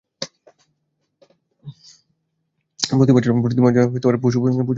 প্রতিমার জন্য পশু বধ করলেন না।